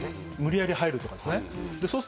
無理やり入るとですね。